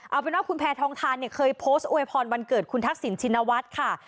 เอาเป็นว่าคุณแพทองทานเนี่ยเคยโพสต์อวยพรวันเกิดคุณทักษิณชินวัฒน์ค่ะ